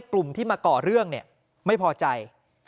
กลุ่มที่มาก่อเรื่องไม่พอใจ